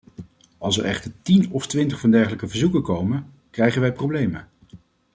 Als er echter tien of twintig van dergelijke verzoeken komen, krijgen wij problemen.